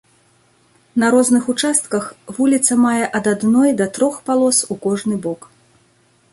На розных участках вуліца мае ад адной да трох палос у кожны бок.